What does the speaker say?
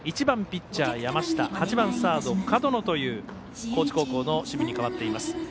１番ピッチャー、山下８番サード、門野という高知高校の守備に代わっています。